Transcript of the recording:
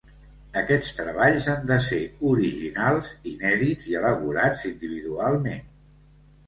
Aquests treballs han de ser originals, inèdits i elaborats individualment.